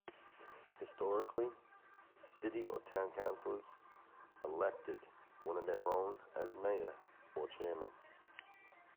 Historically, city or town councillors elected one of their own as mayor, or chairman.